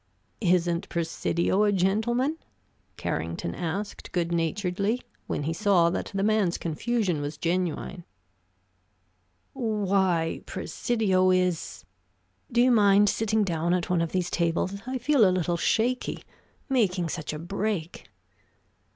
"Isn't Presidio a gentleman?" Carrington asked, good naturedly, when he saw that the man's confusion was genuine. "Why, Presidio is do you mind sitting down at one of these tables? I feel a little shaky making such a break!"